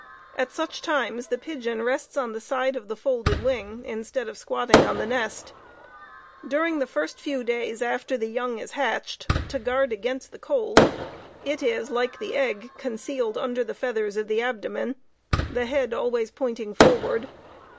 At such times the pigeon rests on the side of the folded wing, instead of squatting on the nest. During the first few days, after the young is hatched, to guard against the cold, it is, like the egg, concealed under the feathers of the abdomen, the head always pointing forward.